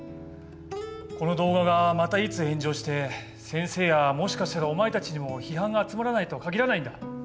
この動画がまたいつ炎上して先生やもしかしたらお前たちにも批判が集まらないともかぎらないんだ。